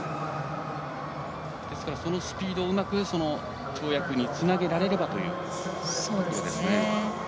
ですから、そのスピードをうまく跳躍につなげられればというわけですね。